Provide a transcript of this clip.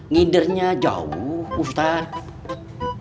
ngidernya jauh ustadz